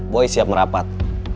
boy siap merapat